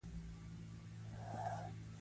لوستې میندې د ماشوم پر پاکوالي څارنه کوي.